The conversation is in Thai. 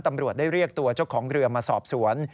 ตำรวจได้เรียกตัวเจ้าของเรือมาสอบสวน